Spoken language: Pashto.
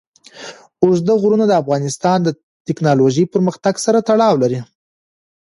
اوږده غرونه د افغانستان د تکنالوژۍ پرمختګ سره تړاو لري.